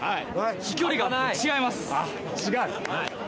飛距離が違います！